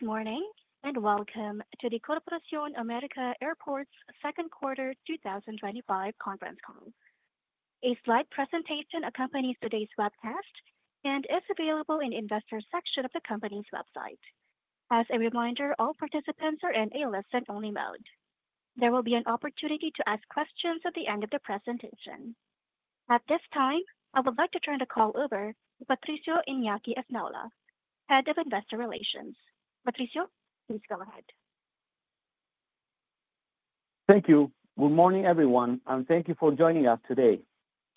Good morning and welcome to the Corporación América Airports' Second Quarter 2025 Conference Call. A slide presentation accompanies today's webcast and is available in the Investors section of the company's website. As a reminder, all participants are in a listen-only mode. There will be an opportunity to ask questions at the end of the presentation. At this time, I would like to turn the call over to Patricio Iñaki Esnaola, Head of Investor Relations. Patricio, please go ahead. Thank you. Good morning, everyone, and thank you for joining us today.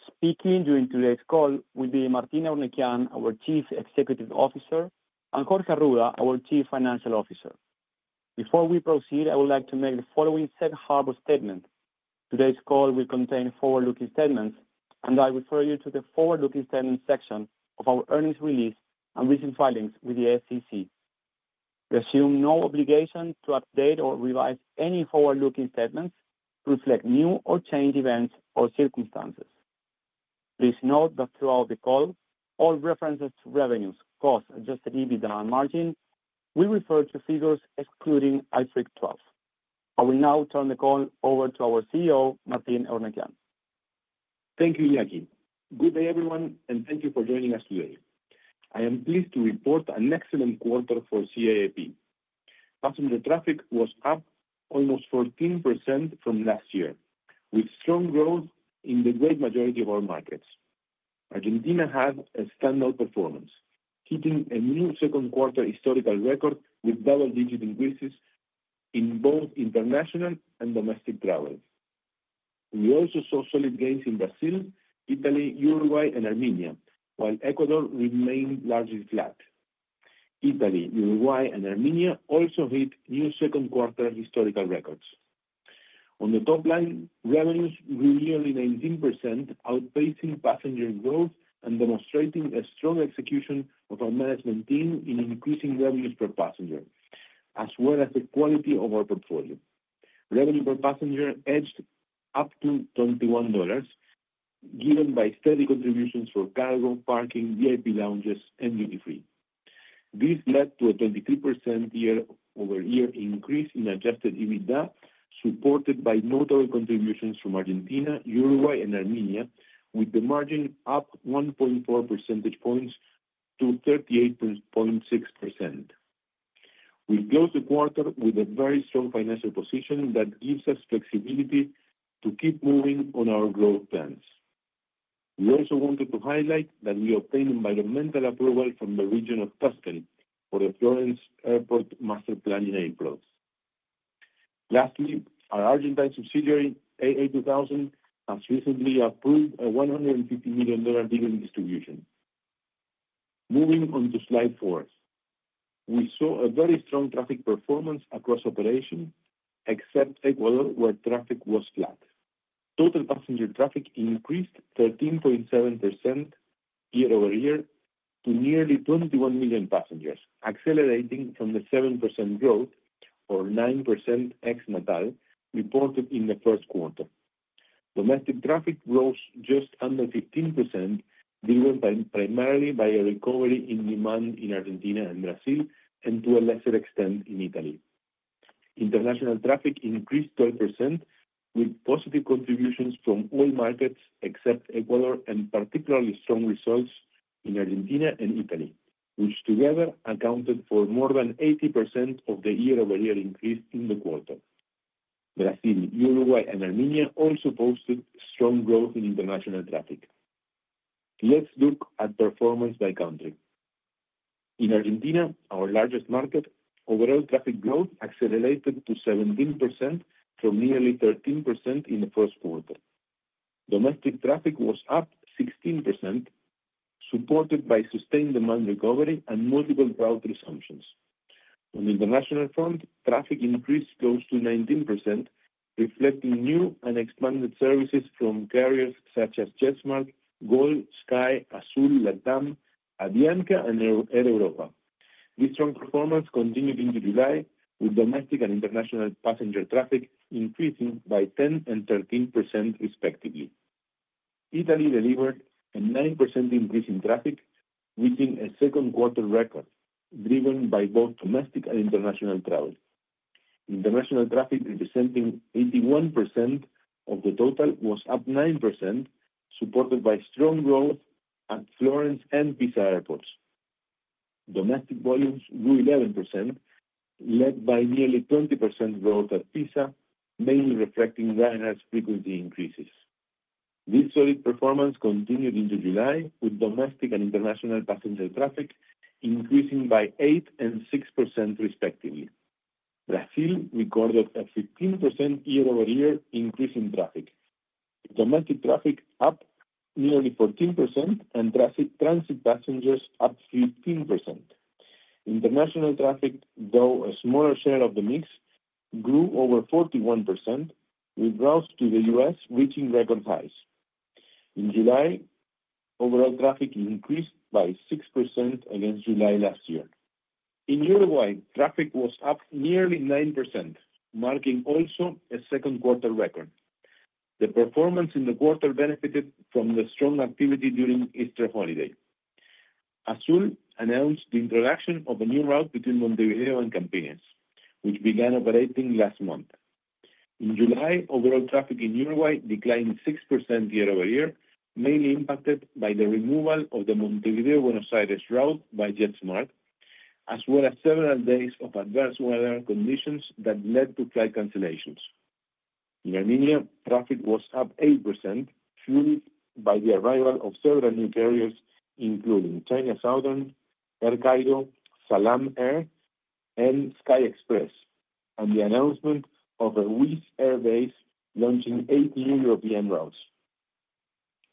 Speaking during today's call will be Martín Eurnekian, our Chief Executive Officer, and Jorge Arruda, our Chief Financial Officer. Before we proceed, I would like to make the following safe harbor statement: today's call will contain forward-looking statements, and I refer you to the forward-looking statements section of our earnings release and recent filings with the SEC. We assume no obligation to update or revise any forward-looking statements to reflect new or changed events or circumstances. Please note that throughout the call, all references to revenues, costs, Adjusted EBITDA, and margin will refer to figures excluding IFRIC 12. I will now turn the call over to our CEO, Martín Eurnekian. Thank you, Iñaki. Good day, everyone, and thank you for joining us today. I am pleased to report an excellent quarter for Corporación América Airports. Customer traffic was up almost 14% from last year, with strong growth in the great majority of our markets. Argentina had a standout performance, hitting a new second-quarter historical record with double-digit increases in both international and domestic travel. We also saw solid gains in Brazil, Italy, Uruguay, and Armenia, while Ecuador remained largely flat. Italy, Uruguay, and Armenia also hit new second-quarter historical records. On the top line, revenues grew nearly 19%, outpacing passenger growth and demonstrating a strong execution of our management team in increasing revenues per passenger, as well as the quality of our portfolio. Revenue per passenger edged up to $21, given by steady contributions for cargo, parking, VIP lounges, and duty-free. This led to a 23% year-over-year increase in adjusted EBITDA, supported by notable contributions from Argentina, Uruguay, and Armenia, with the margin up 1.4 percentage points to 38.6%. We close the quarter with a very strong financial position that gives us flexibility to keep moving on our growth plans. We also wanted to highlight that we obtained environmental approval from the Region of Tuscan for the Florence Airport master planning aircraft. Lastly, our Argentine subsidiary, AA2000, has recently approved a $150 million dividend distribution. Moving on to slide four, we saw a very strong traffic performance across operations, except Ecuador, where traffic was flat. Total passenger traffic increased 13.7% year-over-year to nearly 21 million passengers, accelerating from the 7% growth or 9% ex-Natal reported in the first quarter. Domestic traffic rose just under 15%, driven primarily by a recovery in demand in Argentina and Brazil, and to a lesser extent in Italy. International traffic increased 20%, with positive contributions from all markets, except Ecuador, and particularly strong results in Argentina and Italy, which together accounted for more than 80% of the year-over-year increase in the quarter. Brazil, Uruguay, and Armenia also posted strong growth in international traffic. Let's look at performance by country. In Argentina, our largest market, overall traffic growth accelerated to 17% from nearly 13% in the first quarter. Domestic traffic was up 16%, supported by sustained demand recovery and multiple growth resumptions. On the international front, traffic increased close to 19%, reflecting new and expanded services from carriers such as JetSmart, Gol, Sky, Azul, Latam, Avianca, and Air Europa. This strong performance continued into July, with domestic and international passenger traffic increasing by 10% and 13%, respectively. Italy delivered a 9% increase in traffic, reaching a second-quarter record, driven by both domestic and international travel. International traffic, representing 81% of the total, was up 9%, supported by strong growth at Florence and Pisa airports. Domestic volumes grew 11%, led by nearly 20% growth at Pisa, mainly reflecting GAIA's frequency increases. This solid performance continued into July, with domestic and international passenger traffic increasing by 8% and 6%, respectively. Brazil recorded a 15% year-over-year increase in traffic. Domestic traffic was up nearly 14%, and transit passengers up 15%. International traffic, though a smaller share of the mix, grew over 41%, with growth to the U.S. reaching record highs. In July, overall traffic increased by 6% against July last year. In Uruguay, traffic was up nearly 9%, marking also a second-quarter record. The performance in the quarter benefited from the strong activity during Easter holiday. Azul announced the introduction of a new route between Montevideo and Campinas, which began operating last month. In July, overall traffic in Uruguay declined 6% year-over-year, mainly impacted by the removal of the Montevideo-Buenos Aires route by JetSmart, as well as several days of adverse weather conditions that led to flight cancellations. In Armenia, traffic was up 8%, fueled by the arrival of several new carriers, including China Southern, Air Cairo, Salam Air, and Sky Express, and the announcement of a Wizz Air base launching eight new European routes.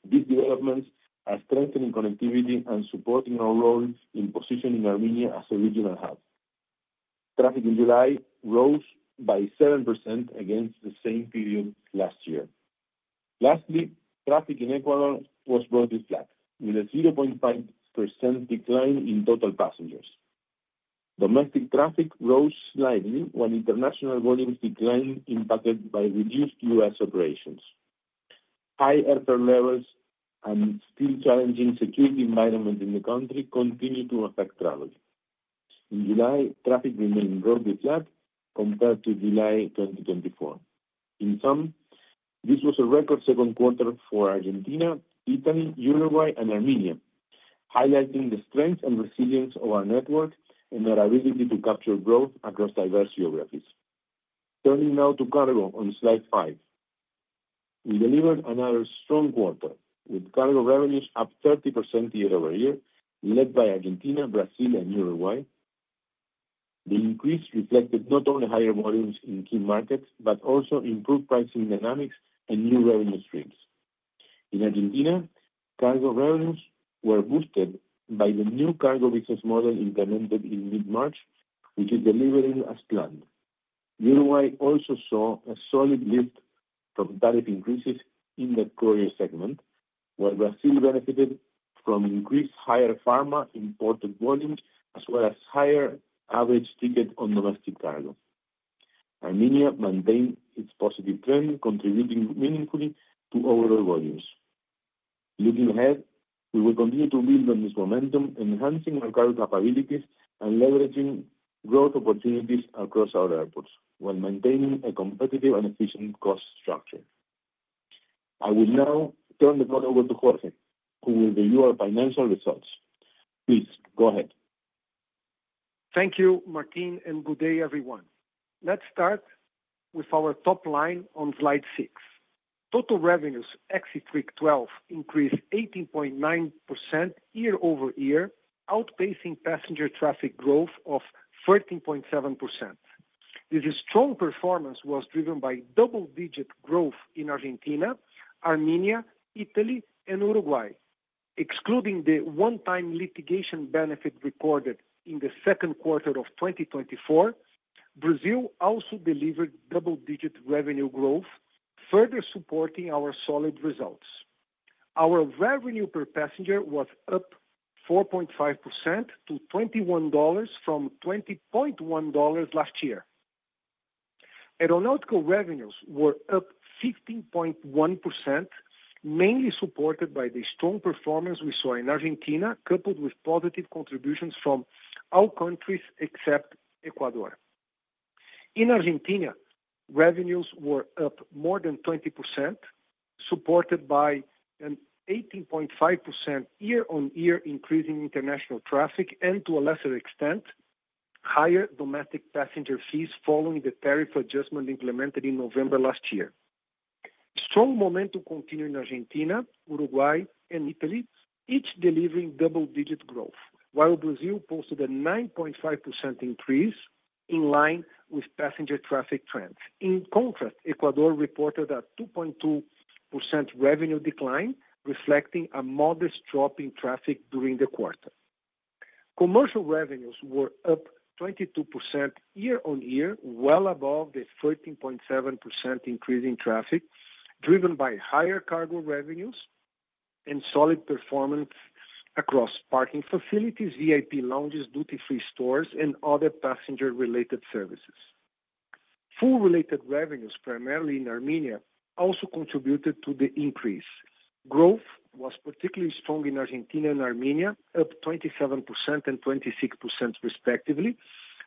These developments are strengthening connectivity and supporting our role in positioning Armenia as a regional hub. Traffic in July rose by 7% against the same period last year. Lastly, traffic in Ecuador was broadly flat, with a 0.5% decline in total passengers. Domestic traffic rose slightly while international volumes declined, impacted by reduced U.S. operations. High airport levels and still challenging security environments in the country continue to affect travel. In July, traffic remained broadly flat compared to July 2024. In sum, this was a record second quarter for Argentina, Italy, Uruguay, and Armenia, highlighting the strength and resilience of our network and our ability to capture growth across diverse geographies. Turning now to cargo on slide five, we delivered another strong quarter, with cargo revenues up 30% year-over-year, led by Argentina, Brazil, and Uruguay. The increase reflected not only higher volumes in key markets, but also improved pricing dynamics and new revenue streams. In Argentina, cargo revenues were boosted by the new cargo business model implemented in mid-March, which is delivering as planned. Uruguay also saw a solid lift from tariff increases in the courier segment, while Brazil benefited from increased higher pharma imported volumes, as well as higher average tickets on domestic cargo. Armenia maintained its positive trend, contributing meaningfully to overall volumes. Looking ahead, we will continue to build on this momentum, enhancing our cargo capabilities and leveraging growth opportunities across our airports while maintaining a competitive and efficient cost structure. I will now turn the call over to Jorge, who will review our financial results. Please go ahead. Thank you, Martín, and good day, everyone. Let's start with our top line on slide six. Total revenues excluding IFRIC 12 increased 18.9% year-over-year, outpacing passenger traffic growth of 13.7%. This strong performance was driven by double-digit growth in Argentina, Armenia, Italy, and Uruguay. Excluding the one-time litigation benefit recorded in the second quarter of 2024, Brazil also delivered double-digit revenue growth, further supporting our solid results. Our revenue per passenger was up 4.5% to $21 from $20.10 last year. Aeronautical revenues were up 15.1%, mainly supported by the strong performance we saw in Argentina, coupled with positive contributions from all countries, except Ecuador. In Argentina, revenues were up more than 20%, supported by an 18.5% year-on-year increase in international traffic and, to a lesser extent, higher domestic passenger fees following the tariff adjustment implemented in November last year. Strong momentum continued in Argentina, Uruguay, and Italy, each delivering double-digit growth, while Brazil posted a 9.5% increase in line with passenger traffic trends. In contrast, Ecuador reported a 2.2% revenue decline, reflecting a modest drop in traffic during the quarter. Commercial revenues were up 22% year-on-year, well above the 13.7% increase in traffic, driven by higher cargo revenues and solid performance across parking facilities, VIP lounges, duty-free stores, and other passenger-related services. Food-related revenues, primarily in Armenia, also contributed to the increase. Growth was particularly strong in Argentina and Armenia, up 27% and 26%, respectively,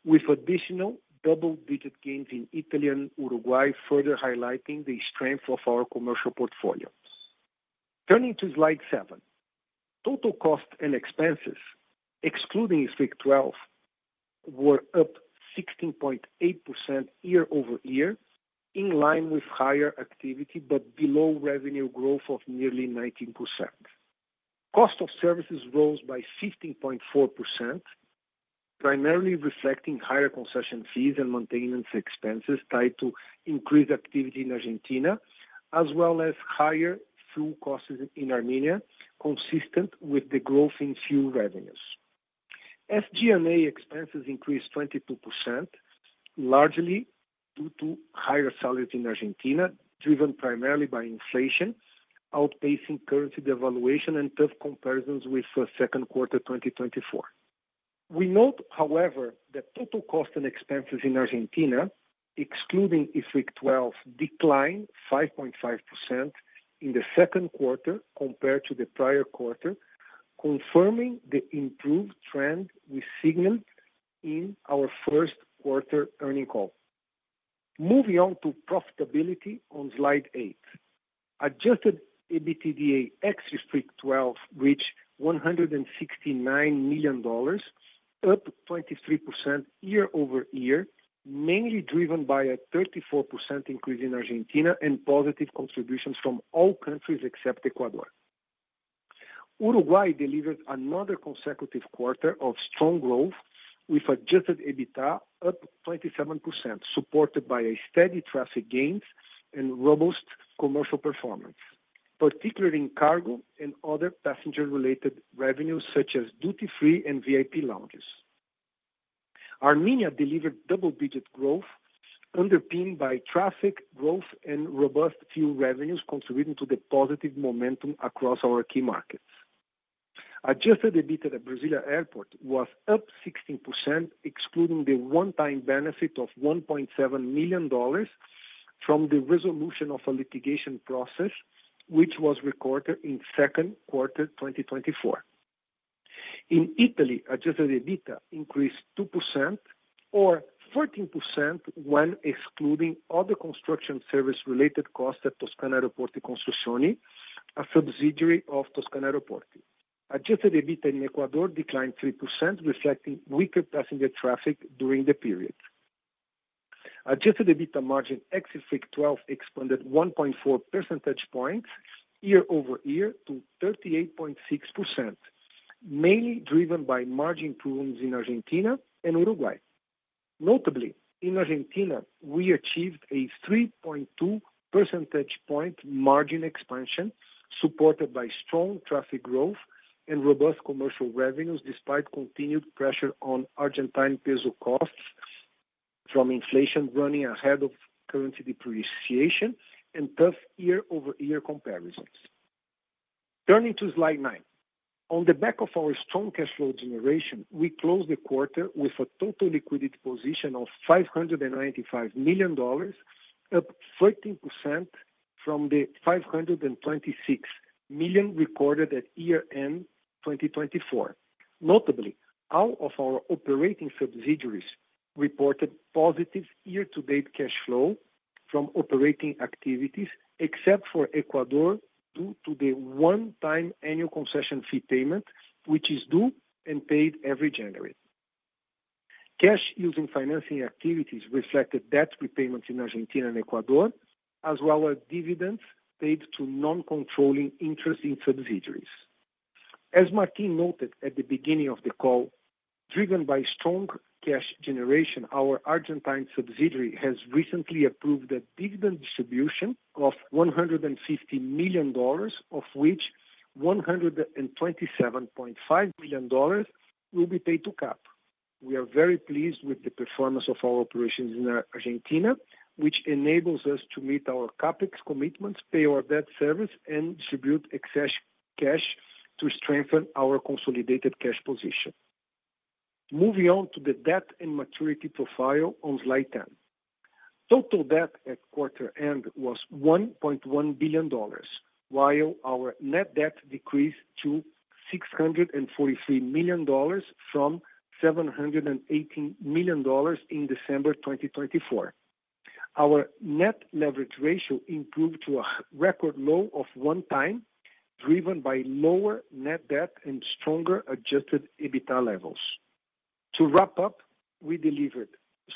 with additional double-digit gains in Italy and Uruguay, further highlighting the strength of our commercial portfolio. Turning to slide seven, total costs and expenses, excluding RIC 12, were up 16.8% year-over-year, in line with higher activity, but below revenue growth of nearly 19%. Cost of services rose by 15.4%, primarily reflecting higher concession fees and maintenance expenses tied to increased activity in Argentina, as well as higher fuel costs in Armenia, consistent with the growth in fuel revenues. FG&A expenses increased 22%, largely due to higher salaries in Argentina, driven primarily by inflation, outpacing currency devaluation and tough comparisons with the second quarter of 2024. We note, however, that total costs and expenses in Argentina, excluding IFRIC 12, declined 5.5% in the second quarter compared to the prior quarter, confirming the improved trend we signaled in our first quarter earnings call. Moving on to profitability on slide eight, adjusted EBITDA ex IFRIC 12 reached $169 million, up 23% year-over-year, mainly driven by a 34% increase in Argentina and positive contributions from all countries except Ecuador. Uruguay delivered another consecutive quarter of strong growth, with adjusted EBITDA up 27%, supported by steady traffic gains and robust commercial performance, particularly in cargo and other passenger-related revenues, such as duty-free and VIP lounges. Armenia delivered double-digit growth, underpinned by traffic growth and robust fuel revenues, contributing to the positive momentum across our key markets. Adjusted EBITDA at the Brasilia Airport was up 16%, excluding the one-time benefit of $1.7 million from the resolution of a litigation process, which was recorded in the second quarter of 2024. In Italy, adjusted EBITDA increased 2% or 14% when excluding other construction service-related costs at Toscana Aeroporti Costruzioni, a subsidiary of Toscana Aeroporti. Adjusted EBITDA in Ecuador declined 3%, reflecting weaker passenger traffic during the period. Adjusted EBITDA margin ex IFRIC 12 expanded 1.4 percentage points year-over-year to 38.6%, mainly driven by margin improvements in Argentina and Uruguay. Notably, in Argentina, we achieved a 3.2 percentage point margin expansion, supported by strong traffic growth and robust commercial revenues, despite continued pressure on Argentine peso costs from inflation running ahead of currency depreciation and tough year-over-year comparisons. Turning to slide nine, on the back of our strong cash flow generation, we closed the quarter with a total liquidity position of $595 million, up 13% from the $526 million recorded at year-end 2024. Notably, all of our operating subsidiaries reported positive year-to-date cash flow from operating activities, except for Ecuador, due to the one-time annual concession fee payment, which is due and paid every January. Cash used in financing activities reflected debt repayments in Argentina and Ecuador, as well as dividends paid to non-controlling interest in subsidiaries. As Martín noted at the beginning of the call, driven by strong cash generation, our Argentine subsidiary has recently approved a dividend distribution of $150 million, of which $127.5 million will be paid to CAAP. We are very pleased with the performance of our operations in Argentina, which enables us to meet our CapEx commitments, pay our debt service, and distribute excess cash to strengthen our consolidated cash position. Moving on to the debt and maturity profile on slide ten, total debt at quarter end was $1.1 billion, while our net debt decreased to $643 million from $718 million in December 2024. Our net leverage ratio improved to a record low of one time, driven by lower net debt and stronger Adjusted EBITDA levels. To wrap up, we delivered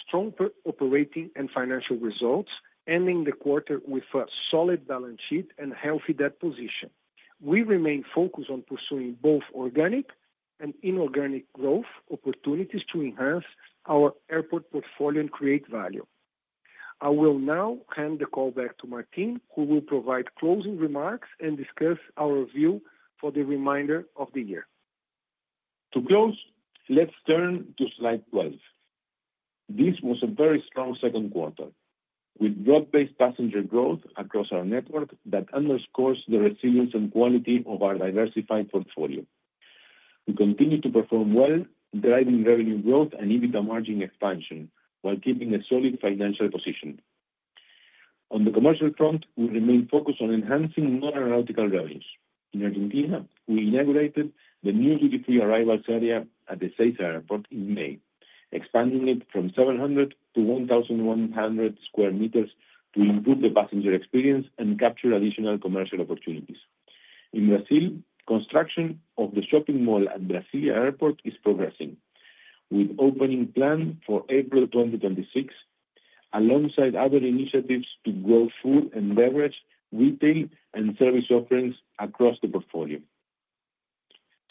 strong operating and financial results, ending the quarter with a solid balance sheet and a healthy debt position. We remain focused on pursuing both organic and inorganic growth opportunities to enhance our airport portfolio and create value. I will now hand the call back to Martín, who will provide closing remarks and discuss our view for the remainder of the year. To close, let's turn to slide 12. This was a very strong second quarter, with broad-based passenger growth across our network that underscores the resilience and quality of our diversified portfolio. We continue to perform well, driving revenue growth and EBITDA margin expansion, while keeping a solid financial position. On the commercial front, we remain focused on enhancing non-aeronautical revenues. In Argentina, we inaugurated the new duty-free arrivals area at the Ezeiza Airport in May, expanding it from 700 sq m-1,100 sq m to improve the passenger experience and capture additional commercial opportunities. In Brazil, construction of the shopping mall at Brasilia Airport is progressing, with opening plans for April 2026, alongside other initiatives to grow food and beverage, retail, and service offerings across the portfolio.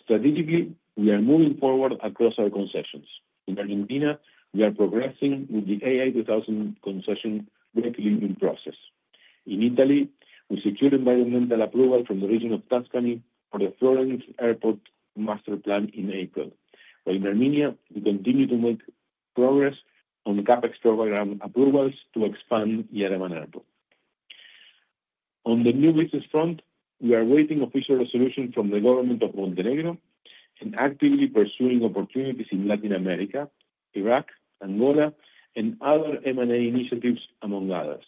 Strategically, we are moving forward across our concessions. In Argentina, we are progressing with the AA2000 concession recalibration process. In Italy, we secured environmental approval from the Region of Tuscany for the Florence Airport master plan in April, while in Armenia, we continue to make progress on the Capex program approvals to expand the Yerevan Airport. On the new business front, we are awaiting official resolution from the government of Montenegro and actively pursuing opportunities in Latin America, Iraq, Angola, and other M&A initiatives, among others.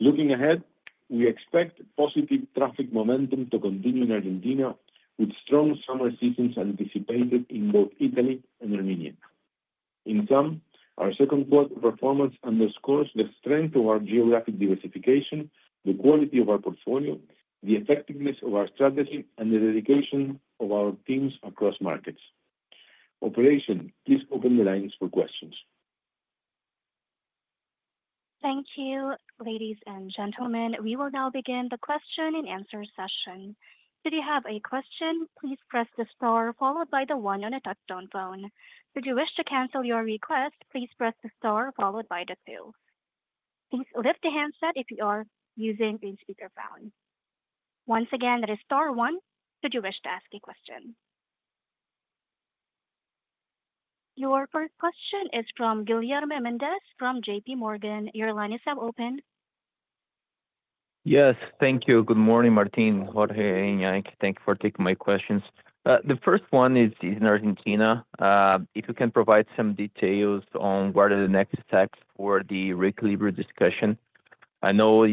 Looking ahead, we expect positive traffic momentum to continue in Argentina, with strong summer seasons anticipated in both Italy and Armenia. In sum, our second-quarter performance underscores the strength of our geographic diversification, the quality of our portfolio, the effectiveness of our strategy, and the dedication of our teams across markets. Operation, please open the lines for questions. Thank you, ladies and gentlemen. We will now begin the question-and-answer session. Should you have a question, please press the star followed by the one on a touch-tone phone. Should you wish to cancel your request, please press the star followed by the two. Please lift the handset if you are using the speaker phone. Once again, that is star one. Should you wish to ask a question? Your first question is from Guilherme Mendes from JPMorgan. Your line is now open. Yes, thank you. Good morning, Martín, Jorge, and I thank you for taking my questions. The first one is in Argentina. If you can provide some details on what are the next steps for the reclaimer discussion. I know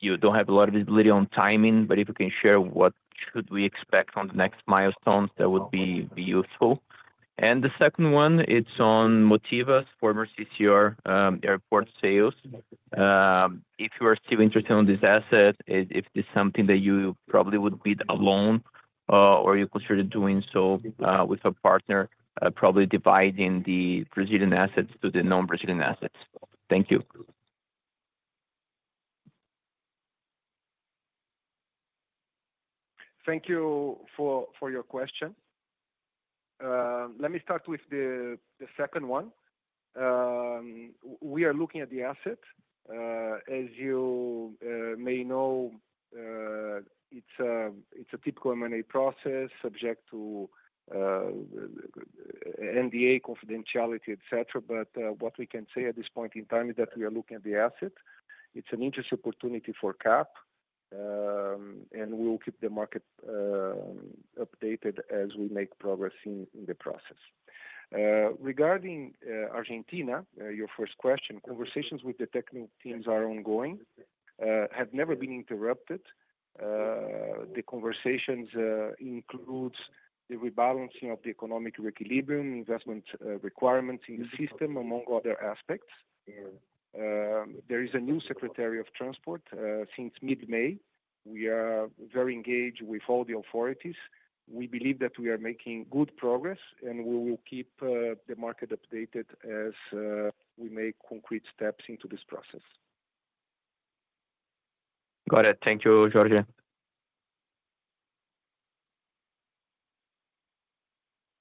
you don't have a lot of visibility on timing, but if you can share what should we expect on the next milestones, that would be useful. The second one is on Motiva's former CCR airports sales. If you are still interested in this asset, if this is something that you probably would bid alone or you consider doing so with a partner, probably dividing the Brazilian assets to the non-Brazilian assets. Thank you. Thank you for your question. Let me start with the second one. We are looking at the asset. As you may know, it's a typical M&A process subject to NDA, confidentiality, et cetera. What we can say at this point in time is that we are looking at the asset. It's an interesting opportunity for CAAP, and we'll keep the market updated as we make progress in the process. Regarding Argentina, your first question, conversations with the technical teams are ongoing, have never been interrupted. The conversations include the rebalancing of the economic recalibrium, investment requirements in the system, among other aspects. There is a new Secretary of Transport since mid-May. We are very engaged with all the authorities. We believe that we are making good progress, and we will keep the market updated as we make concrete steps into this process. Got it. Thank you, Jorge.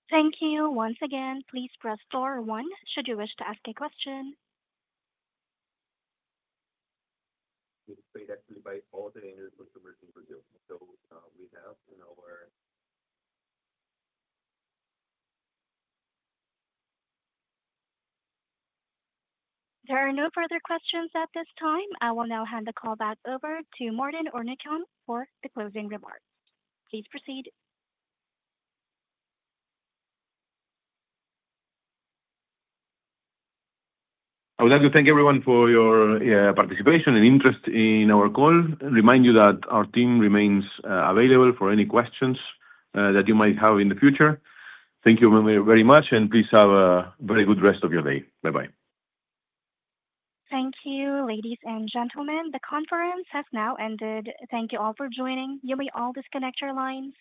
Thank you. Once again, please press star one should you wish to ask a question. There are no further questions at this time. I will now hand the call back over to Martín Eurnekian for the closing remarks. Please proceed. I would like to thank everyone for your participation and interest in our call. Remind you that our team remains available for any questions that you might have in the future. Thank you very much, and please have a very good rest of your day. Bye-bye. Thank you, ladies and gentlemen. The conference has now ended. Thank you all for joining. You may all disconnect your lines.